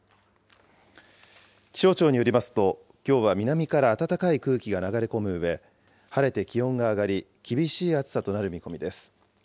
気象庁によりますと、きょうは南から暖かい空気が流れ込むうえ、晴れて気温が上がり、厳しい暑さとなる見込みです。